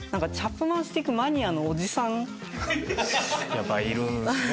やっぱいるんですね